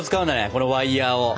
このワイヤーを。